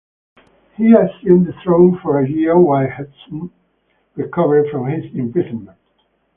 He assumed the throne for a year while Hethum recovered from his imprisonment.